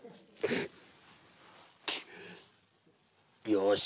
よし。